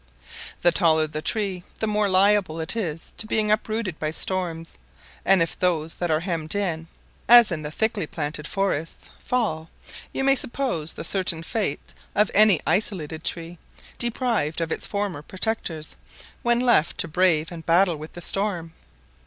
The taller the tree the more liable it is to being uprooted by storms; and if those that are hemmed in, as in the thickly planted forests, fall, you may suppose the certain fate of any isolated tree, deprived of its former protectors, when left to brave and battle with the storm.